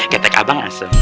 ketek abang asem